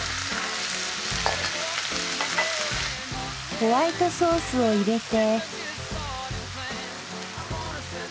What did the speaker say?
ホワイトソースを入れて。